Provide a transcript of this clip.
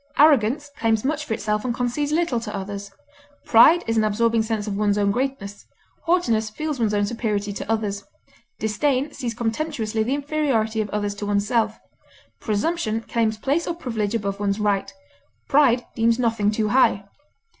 Arrogance claims much for itself and concedes little to others. Pride is an absorbing sense of one's own greatness; haughtiness feels one's own superiority to others; disdain sees contemptuously the inferiority of others to oneself. Presumption claims place or privilege above one's right; pride deems nothing too high.